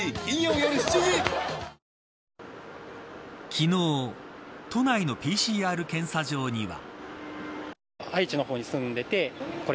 昨日都内のＰＣＲ検査場には。